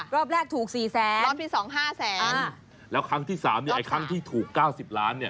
รอบแรกถูกสี่แสนรอบที่สองห้าแสนแล้วครั้งที่สามเนี่ยไอ้ครั้งที่ถูกเก้าสิบล้านเนี่ย